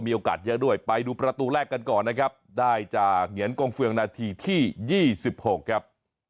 โอกาสเยอะด้วยไปดูประตูแรกกันก่อนนะครับได้จากเหงียนกงเฟืองนาทีที่๒๖ครับ